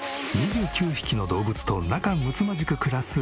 ２９匹の動物と仲むつまじく暮らす